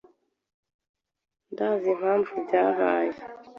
ntazi impamvu byabaye.